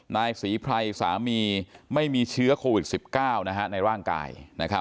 นายศรีไพรสามีไม่มีเชื้อโควิด๑๙ในร่างกาย